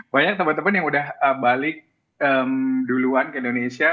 banyak teman teman yang udah balik duluan ke indonesia